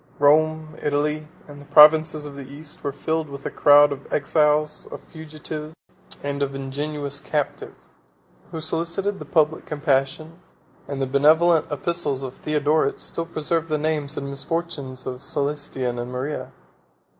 Rome, Italy, and the provinces of the East, were filled with a crowd of exiles, of fugitives, and of ingenuous captives, who solicited the public compassion; and the benevolent epistles of Theodoret still preserve the names and misfortunes of Cælestian and Maria.